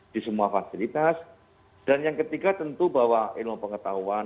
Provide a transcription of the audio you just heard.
di semua fasilitas dan yang ketiga tentu bahwa ilmu pengetahuan